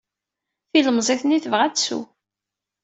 Tilemẓit-nni tebɣa ad tsew.